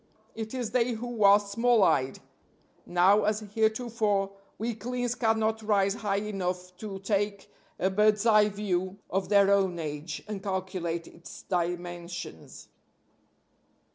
It is they who are small eyed. Now, as heretofore, weaklings cannot rise high enough to take a bird's eye view of their own age, and calculate its dimensions.